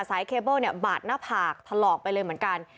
สายเคเบิลบาดหน้าผากถลอกไปเลยเหมือนกัน